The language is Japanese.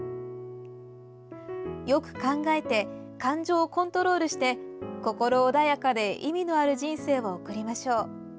「よく考えて感情をコントロールして心穏やかで意味のある人生を送りましょう」